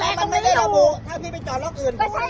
อาจมีการตรวจเที่ยงแล้วไงมั้ย